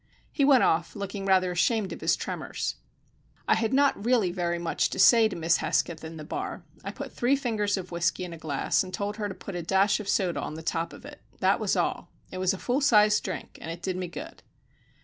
He went off, looking rather ashamed of his tremors. I had not really very much to say to Miss Hesketh in the bar. I put three fingers of whisky in a glass and told her to put a dash of soda on the top of it. That was all. It was a full sized drink and did me good.